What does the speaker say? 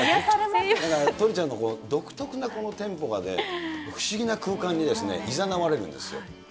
トリちゃんの独特なこのテンポがね、不思議な空間にいざなわれるんですよ。